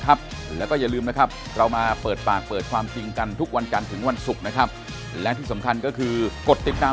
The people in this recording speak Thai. นั่นแหละครั้งสุดท้ายที่ผมจะคุยกับเขา